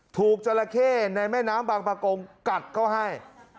จราเข้ในแม่น้ำบางประกงกัดเขาให้